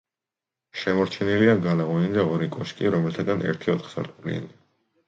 შემორჩენილია გალავანი და ორი კოშკი, რომელთაგან ერთი ოთხსართულიანია.